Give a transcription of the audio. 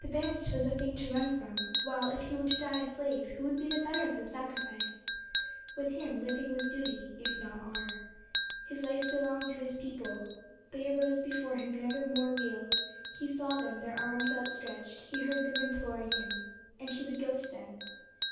The bench was a thing to run from; while, if he were to die a slave, who would be the better of the sacrifice? With him living was duty, if not honor. His life belonged to his people. They arose before him never more real: he saw them, their arms outstretched; he heard them imploring him. And he would go to them.